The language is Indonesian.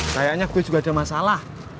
sayangnya gue juga ada masalah